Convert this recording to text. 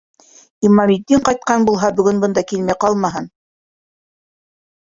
Имаметдин ҡайтҡан булһа, бөгөн бында килмәй ҡалмаһын.